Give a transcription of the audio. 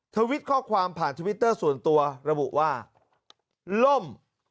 ทวิตข้อความผ่านทวิตเตอร์ส่วนตัวระบุว่าล่ม